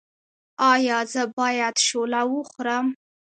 ایا زه باید شوله وخورم؟